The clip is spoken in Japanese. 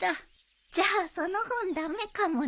じゃあその本駄目かもね。